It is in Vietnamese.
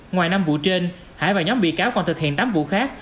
ngoài năm vụ trên hải và nhóm bị cáo còn thực hiện tám vụ khác